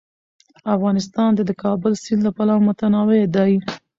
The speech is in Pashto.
افغانستان د د کابل سیند له پلوه متنوع دی.